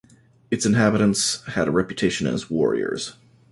Its inhabitants had a reputation as warriors.